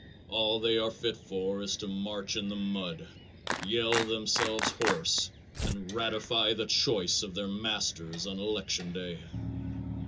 All they are fit for is to march in the mud, yell themselves hoarse, and ratify the choice of their masters on election day.